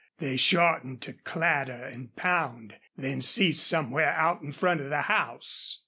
They shortened to clatter and pound then ceased somewhere out in front of the house.